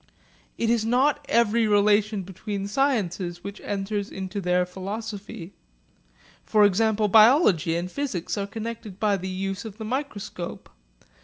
It is not every relation between sciences which enters into their philosophy. For example biology and physics are connected by the use of the microscope.